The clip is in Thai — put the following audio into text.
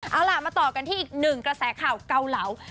เอาล่ะมาต่อกันที่อีกหนึ่งกระแสข่าวเกาเหลา